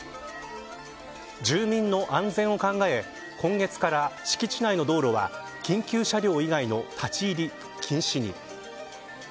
住民の安全を考え、今月から敷地内の道路は緊急車両以外の立ち入りを禁止に。